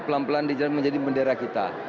pelan pelan menjadi bendera kita